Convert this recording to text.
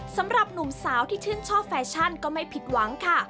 สำหรับหนุ่มสาวที่ชื่นชอบแฟชั่นก็ไม่ผิดหวังค่ะ